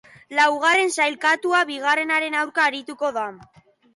Laugarren sailkatua bigarrenaren aurka arituko da.